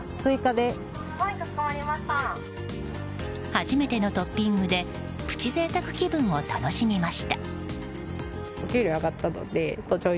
初めてのトッピングでプチ贅沢気分を楽しみました。